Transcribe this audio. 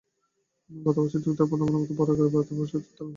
গত বছরেই যুক্তরাষ্ট্র প্রথমবারের মতো বড় আকারে ভারতে অপরিশোধিত তেল সরবরাহ করেছে।